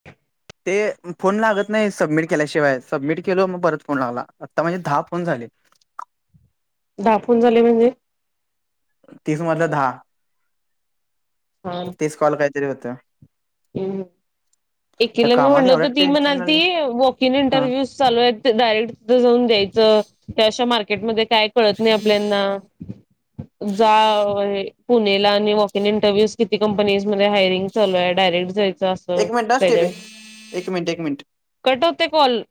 [inaudible] ते फोन लागत नाही सबमिट केल्याशिवाय सबमिट केलो मग परत फोन लागला आत्ता म्हणजे दहा फोन झाले. दाहा फोन झाले म्हणजे? तीस मधलं दहा. हा. तीस कॉल काहीतरी होत. ह त्या एकीला मी कामात म्हणल होत एवढ्या ती टेन्शन म्हणाली आले त वॉकइन हा इंटरव्ह्यूज चालू आहे ते डायरेक्ट त जाऊन द्यायचं अशा मार्केटमध्ये काय कळत नाही आपल्याना जा पुणेला आणि वॉक इन इंटरव्ह्यूज किती कंपनीज मध्ये हायरिंग चालू आहे. डयरेटयचं जायच अस. एक मिनट ह स्टेपे एक मिनट, एक मिनट, कट होते कॉल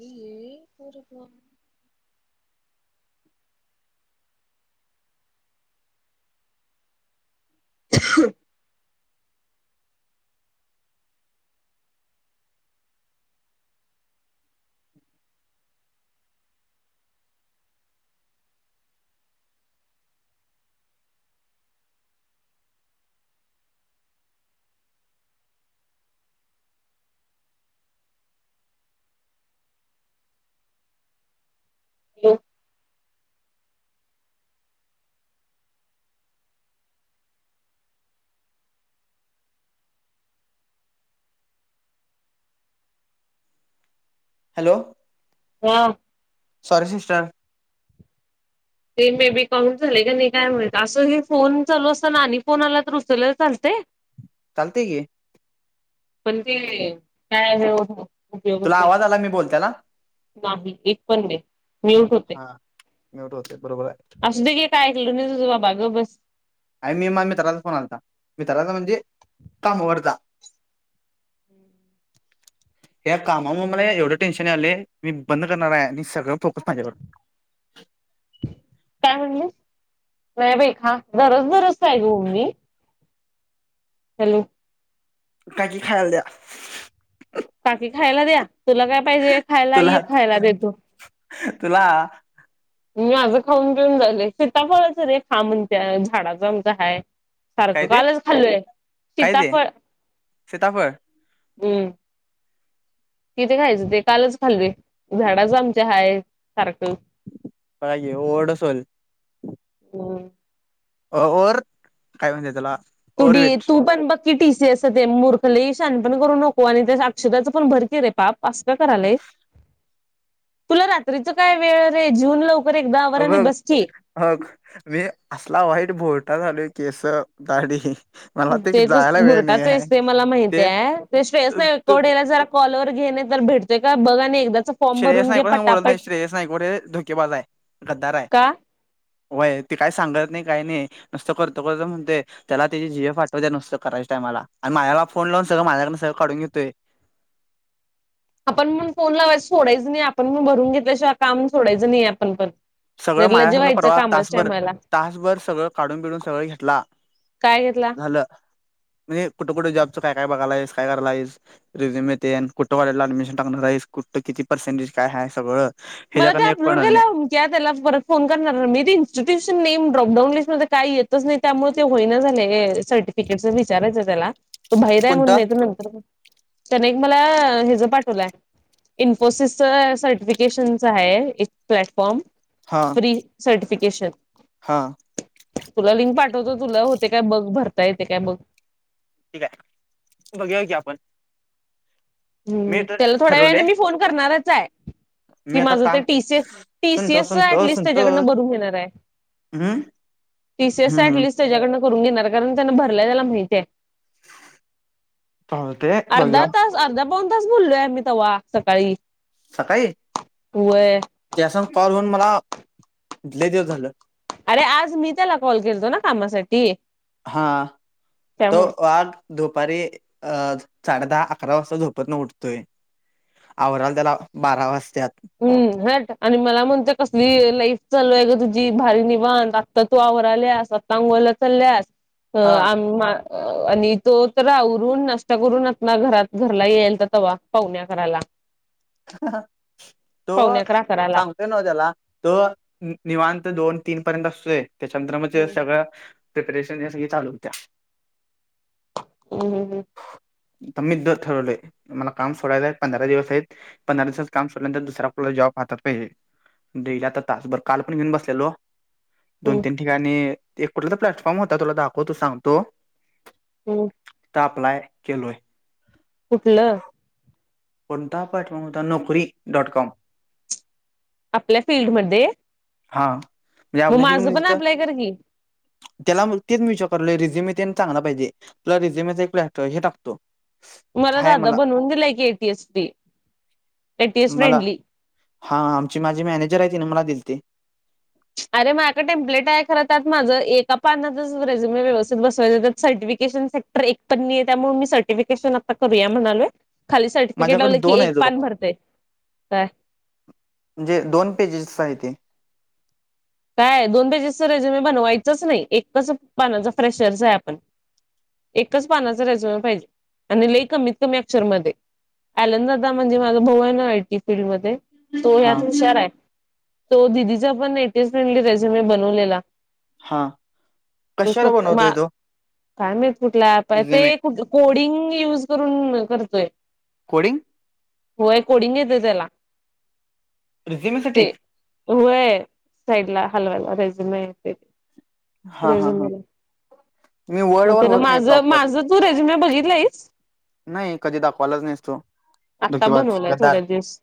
वे परप [unintelligible] ह हाॅलो. हॅलो. हां. Sorry sister. ते मे बेबी काउं झालेय का नाही काय म्हणते असं हे फोन चालू असताना आणि फोन आला तर उचल चालते? चालते की. पण ते काय आहे हो उपयोगच तुला नाही आवाज आला मी बोलत्याला नाही एक पण दे म्यूट होते. म्युट होते बरोबर आहे. अस दे काय ऐकल ना तुजा बाजूला बस. आणि मी मा मित्राचा फोन आलता मित्राचा म्हणजे कामालरचा या कामामुळे मला एवढं टेन्शन आलंय मी बंद करणार आहे आणि सगळं फोकस माझ्यावर. काय म्हणली नाही बाई हा दरोज दरोज आहे बोलु मी हॅलो. काकी खायला द्या. काकी खायला द्या तुला काय पाहिजे खायला ये तुला खायला देतो. तुला मी माझं खाऊन पेऊन झालंय, सीताफळ तरी खा म्हणतया झाडाच आमच हाय. काय सारखं ते कालच खाल्लय, काय ते शीताफळ, सीताफळ हम्म. किती खायचं ते कालच खालोय, झाडाच आमच्या हाय, सारखं. [unintelligible] ओडसल हम्म. [unintelligible] काय म्हणतेय त्याला? तु डी ओरवेट तू पण बघ. कि टी सी एसच ते मूर्ख लई शानपण करू नको आणि त्या अक्षताच पण भर के रे पाप असं काय करालयस? [inaudible] तुला रात्रीच काय वेळ रे जेऊन लवकर एकदा आवरांनी बघ बस की. हग, मी असला वाईट भोरटा झालोय केस, दाडी. तेच भुरटाचंस ते मला माहती ते आहे, ते श्रेयस तू नाईकवाडेला जरा कॉलवर घे नाय तर भेटतोय का बघा आणि एकदाच श्रेयस नाईकवाडे बोलत नाही श्रेयस नाईकवाडे धोकेबाज आहे, गद्दार आहे. का वय ते काही सांगत नाही काही नाही नुसतं करतो करतो म्हणतोय. त्याला त्याची जीएफ आठवत्या नुसतं कराच्या टायला आणि माझला फोन लावून सगळं माझ्याकडंन सगळं काढून घेतोय. आपण पण फोन लावायचं सोडायचं नाही आपण पण भरून घेतल्याशिवाय काम सोडायचं नाही आपण पण. सगळं माझ्या निर्लज्ज संघ व्हायचं प्रवाह कामाच्या तासभर टायमाला तासभर सगळं काढून बिडून सगळ घेतला. काय घेतला? झालं म्हणजे कुठ कुठ जॉबचं काय काय बघालायस काय करालायस? रिझ्यूम येते आणि कुठं [unintelligible] अडमिशन टाकणार आहेस कुठ किती पर्सेंटज काय आहे सगळं? मला ते ह्याच्याकडनं एक अपलोड पण आलं केल्या नाही त्या त्यालाच परत फोन करणार मी ते इन्स्टिट्यूश नेम ड्रॉपडाऊन लिस्ट मध्ये काही येतच नाही. त्यामुळे ते होईना झालय सर्टिफिकेटच विचारायचं त्याला. तो बाहेर आहे म्हणून कोणता? नाही तर नंतर कर. त्याने एक मला हेज पाठवलाय, इन्फोसिसच सर्टिफिकेशन च आहे एक प्लॅटफॉर्म, हा फ्री सर्टिफिकेशन. हा. तुला लिंक पाठवतो तुला होते काय बग भरता येते काय बग? ठीक आहे, बगुया की आपण. मी हम्म तर त्याला थोड्या ठरवले वेळेने मी फोन करणारच आहे. मी कि आता माझं ते काम टी सी, टी सी सुनतो एसच सुनतो ऍटलिस्ट सुनतो त्याच्याकडनं भरून घेणार आहे. हम्म. टी सी एसच हम्म अटलिस्ट त्याच्याकडनं करून घेणार कारण त्यांना भरलाय त्याला माहितीय आहे. चालतंय अर्धा बघूया तास. अर्धा पावन तास बोललोय आम्ही तव्हा सकाळी. सकाळी, होय त्या संग कॉल होऊन मला, लय दिवस झालं. अरे आज मी त्याला कॉल केलतो ना कामासाठी. हा, तो त्यामुळं वात दुपारी अ साडे दहा, अकरा वाजता झोपतन उठतोय. आवरायला त्याला बारा वाजत्यात. हम हट आणि मला म्हणतोय कसली लाईफ चालू आहे ग तुझी भारी निवांत. आता तू आवराल्यास आतां अंगोला चालल्यास, हा आम आणि तो तर आवरून नाष्टा करून [unintelligible] घरात घरला यालता तवा पाहुने अकराला. तो, पाहुण्या अकरा करायला सांगतोय नव त्याला. तो निवांत दोन, तीन पर्यंत असतोय त्याच्या नंतर म हम्म सगळं प्रिपेरेशन ये सगळी चालू होत्या. हम्मम. [unintelligible] मी ठरवलय, मला काम सोडायला आहे पंधरा दिवस आहेत. पंधरा दिवसाच काम सुल्यानंतर दुसरा आपल्या जॉब हातात पाहिजे. डेईला आता तास बर काल पण घेऊन बसलेलो दोन हम्म, तीन ठिकाणी एक कुठ तर प्लॅटफॉर्म होता तुला दाखव तू सांगतो ह आ अप्लाय केलो आहे कुठलं कोणता पाठवणू होता नोकरी डॉट कॉम आपल्या फीलल््डमध्ये. हा म्हणजे आपल्या फिल्म तिथ. अप्लाय कर की त्याला मग तेच म्यूच करलं रझेमे चग पाहिजे पला रिझेमेचा एक पलॅटर हे टकतो. मला दादा बनवून दिलाय की एटीएसी. मला हा आमची माझी मॅनेजर आहे तिने मला दिल ते. अरेझ टेम्प्ट आहे खरं त्यात माझं एका पानातच रेझ्युम व्यवस्थेत बसवायचंात सर्टिफिकेशन स. तर एक पण त्यामुळे मी सर्टिफिकेशन आता करूया म्हणालोय. खाली सर्टिफिकेट माझ्याकडे लावलं की दोन आहे एक तो बघ पान भरते काय. म्हणजे दोन पेजेस आहे ते. काय दोन पेजेस तर रेजु मी बनवायचंच नाही एकच पानाचं फ्रेशरच आहे आपण. एकाच पानाचा रेजव पाहिजे आणि लई कमीत कमी अक्षर मध्ये. अलंदादा म्हणजे माझा भाऊ आहे ना आयटी फीलडमध्ये. तो हा ह्यात हुशार आहे तो दिदीचा पण नटे फेंडली रेज मी बनवलेला हा तू कशाला बनवतोय तो कायम कुठला प ते रिझ्युमे कोडिंग युज करून करतोय. कोडिंग होय कोडींग येत तेला रिझिमलसाठी होय साईड ला हलवाला रेजम हा हा हा मी वर्ड मग वर त्याला होत नाही माझं प्रॉपर माझं तू रेजे मी बघितलं आहेस नाही कधी द कॉलज नाहीसतो आत्ता दुखि बनवलाय गदार थोड्या दिवस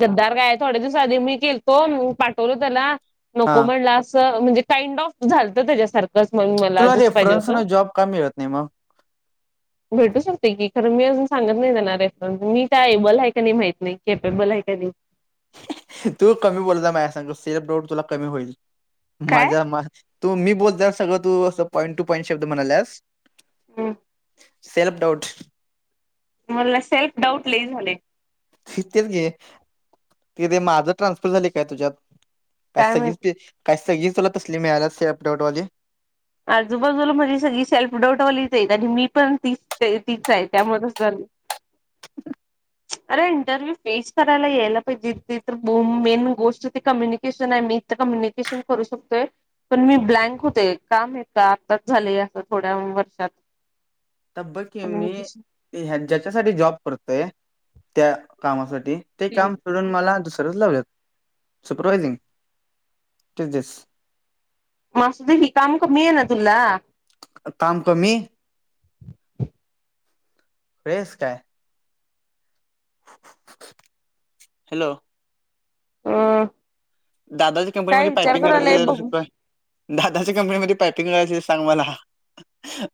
गद्दार काय थोडे्या दिवस आधी मी केलतो पाठवलो त्याला हा नको म्हणला असं म्हणजे काइंड ऑफ झालतं त्याच्यासारखंच मग मला तुला जसं पाहिजे रेफरन्स होतं न जॉब कमी होत नाही मग भेटू शकते की खरं मी अजून सांगत नाही त्यांणार रेफरन्स मी त्या एबल आहे का नाही माहत नाही केपेबल आहे का नाही. तू कमी बोलता मा सांग सिरप डोट तुला कमी होईल माझा काय तू मी बोलतास सगळं तू अस पॉईंट टू पॉईंट शब्द म्हणाल्यास हम सेल्फ डाट मला सेल्फ डाऊट ल झाले त तेच घे तिथे माझं ट्रान्सफर झाले काय तुझ्यात काय सगळीच काय सगळीच चला तसली मिळाल्या स अटवटवाली. आजूबाजूला माझी सगळी सेल्फ डाऊटवालीच आणि मी पण ती तीच आहे त्यामध्येच ज [inaudible] अरे इंटरव्ह्यू फेस करायला यायला पाहिजे त तर मेन गोष्ट ती कम्युनिकेशन आहे मी कम्युनिकेशन करू शकतोय पण मी ब्लँक होते काम य का आताच झालेय असं थोड्या वर्षात तब्बकीि मी कम्युनिकेशन ह ज्याच्यासाठी जॉब करतोय त्या कामासाठी. ते स्किल काम सोडून मला दुसरच लावलंत सुपरवायझिंग तेच दस. मासुदवी काम का मी ना तुला. काम कमी. प्रेस काय.? हॅलो. [unintelligible] दादाच्या काय कंपनीमध्ये विचार पायपिंग करायलाय करायची बघू [unintelligible] दादाच्या कंपनीमध्ये पायपिंग करायची सांग मला.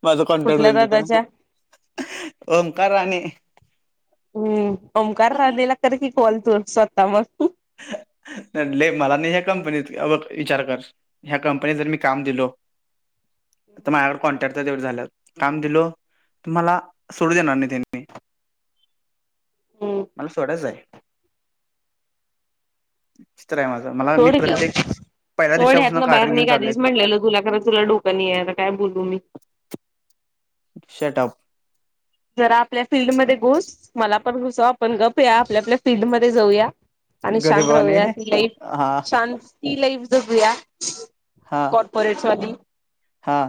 माझा कॉन्टॅक्ट कुठल्या होईल तिथं दादाच्या ओमकार राणे. हम् ओंकार राणेला कर की कॉल तू स्वतः मग. मला नाही ह्या कंपनीत अ विचार कर. ह्या कंपनीत जर मी काम दिलो. तर माझ्याकड कॉन्ट्रॅक्ट तेवढं झालं काम दिलो तर मला सोडू देणार नाही त्यांनी. हम्. मला सोडायचं आहे. [unintelligible] सोड की प्रत्येक पहिल्या सोड दिवसापासून यातन बाहेर कारण घेऊन निघ चाललोय आधीच म्हटलेलं तुला कारण तुला डो क पण नाही आता काय बोललू मी. शटअप. जरा आपल्या फिल्डमध्ये घुस मला पण घुसव आपण गप या आपल्या आपल्या फिल्डमध्येध्ये जाऊया. आणि शांत गरीबाने राहूया ती लाईफ हा शांत ती लाईफ जगूया. हा. [inaudible] पैशे हा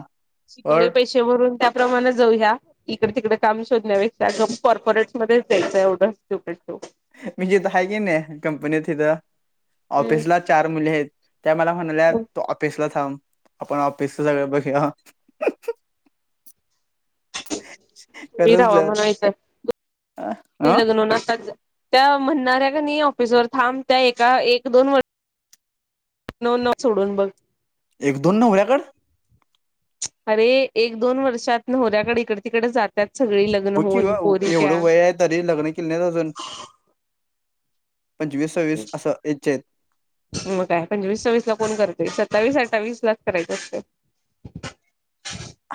और भरून त्याप्रमाणे जाऊ या इकडे तिकडे काम शोधण्यापेक्षा गप्प कॉर्पोरेट मध्येच जा्यायचं एवढं डोक्यात ठेव. मी जिथं आहे की नाही कंपनीत तिथं ऑफिसला चार मुली आहेत. त्या मला म्हणाल्यात तु ऑफिसला थांब. आपण ऑफिसच सगळं बघूया. [inaudible] खरंच सर अ त्या म्हणणाऱ्या कणी ऑफिसवर थांब त्या एका एक दोन व [inaudible] सोडून बघ. एक दोन नवऱ्याकड अरे एक दोन वर्षात नवराकडे इकड तिकडे जात त्यात सगळी लग्न बघ की होऊन गं पोरी एवढं त्या. वय आहे तरी लग्न केल्या नाहीत अजून पंचवीस सव्वीस असं येजच्या आहेत. मग काय पंचवीस सव्वीस ला कोण करतेय. सत्तावीस अठ्ठावीस लाच करायचं असतं.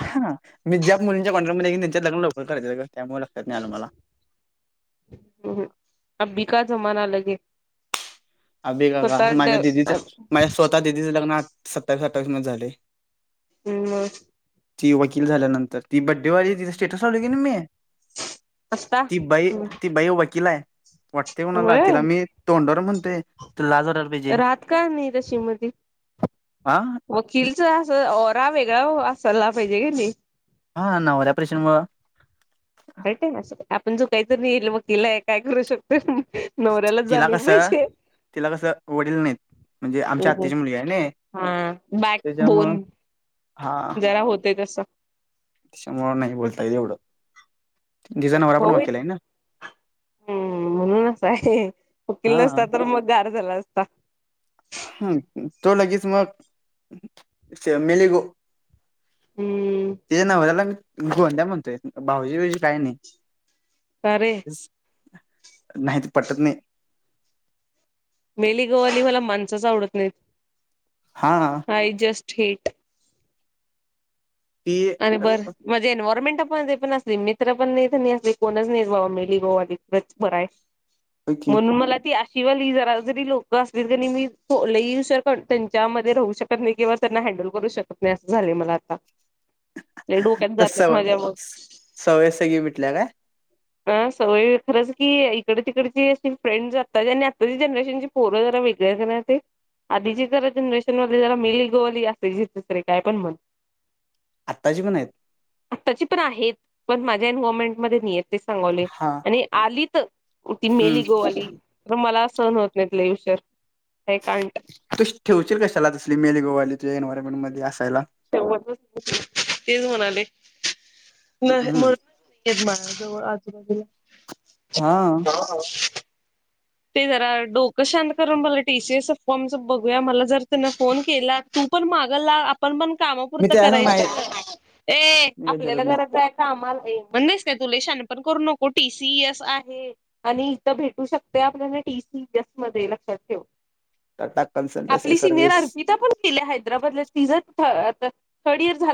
हा मी ज्या मुलींच्या कॉन्टॅक्ट मध्ये आहे त्यांच्या लग्न लवकर करत्यात ग, त्यामुळे लक्षात नाही आलं मला. हम् हम [unintelligible] अभी का का माझ्या दिदीचं माझ्या स्वतः दिदीचं लग्न आ सत्तावीस अठ्ठवीस मध्ये झाले. हम् मग ती वकील झाल्यानंतर ती बड्डेवली तिचा स्टेटस आ की मी असता ती बाई ती बाई वकिल आहे. वाटते कोणाला. होय तिला मी तोंडवर म्हणतेय राहत का नाही मग ती तशी? हा वकीलचा अस ओरा वेगळा असायला पाहिजे की नाही. हां नवऱ्या च्या प्रेशर मुळ काय तर असतय. आपली बायको वकील आहे काय करू शकतोय. नवऱ्याला तिला जाणीव कसं पाहिजे. तिला कसं वडील नाहीत. म्हणजे आमच्या हम्म हम्म आत्याची मुलगी आहे ना हा बॅक त्याच्यामुळं बोन हा जरा होते तसं. त्याच्यामुळे नाही बोलता येत तेवढं. नवरा पण भाऊ वकील आहे ना. हम्म म्हणून अस आहे. वकील हा नसता तर मग गार झाला असता. हम तो लगेच मग फॅमिली गो हम्म तिच्या नवऱ्याला मी धोंड्या म्हणतोय. भाऊजी बिउजी काय नाही. का रे? नाहीती पटत नाही मेली गवाली मला माणसच आवडत नाही. हा आय जस्ट हेट ती अरे बरं म्हणजे एन्वयरमेंट पण ते पण असली मित्र पण नाही असले कोणच नाही बा मली गवा अलीिकडेच बर आहे ओके म्हणून मला ती शिवाय लि जरा जरी लोक असतील तरी मी लहीुर त्यांच्या मध्ये राहू शकते नाही किंवा त्यांना हँडल करू शकत नाही असं झाले मला आता लई डोक्यात त जातात सवय माझ्या मग सवय सगी भटल्या काय अ सवय खरंच की इकडे तिकडची अ फ्रेंड आता आणि आताची जनरेशनची पूर् जरा वेगळ कर ना ते आधीची जरा जनरेशन मधले जरा मिली गोवली असते ज दुसरे काय पण म्हण आत्ताची पण आहेत आत्ताची पण आहेत पण माझ्या एन मोमेंट मध्ये नाहीय आहेत तेच सांगवले हा आणि आली तर ती हम्म मेली गोवाली तर मला सहन होत नाही तले इुशर हे काणत त ठेवशील कशाला तसली मेल गोवाली एन्वयमेंटमध्येध्ये असायला शेवट तेच म्हणाले नाही हम्म म्हणून मा आजबाजला हा हो ते जरा डोकं शांत करून मला टीसीएस फॉर्म बघूया मला जर त्यांना फोन केला तू पण माग ला आपण पण मी कामापुरत त्या सांग करायच नाही ए मी काही आपल्याला करत नाही कराच आहे कामाला आहे म्हणसते तु ल शान पण करू नको टीसी एस आहे आणि इथं भेटू शकत ीी म लक्षात ठे टाटा कन्सल्टन्सी आपली सिनिर सर्व्हिस अर्पि पण ह तथर्ड इर झा